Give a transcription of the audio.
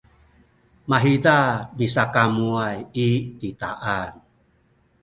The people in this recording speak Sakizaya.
mahiza misakamuway i titaan